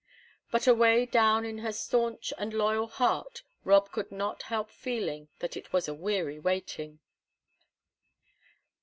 But away down in her stanch and loyal heart Rob could not help feeling that it was weary waiting.